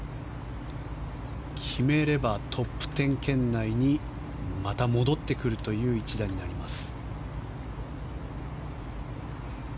決めればトップ１０圏内にまた戻ってくるという１打になります。